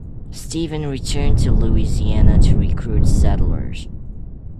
Stephen returned to Louisiana to recruit settlers.